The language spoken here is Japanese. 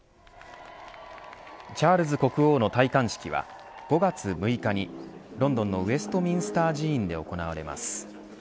チャールズ国王の戴冠式は５月６日にロンドンのウェストミンスター寺院で行われます。